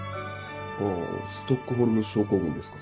あストックホルム症候群ですか？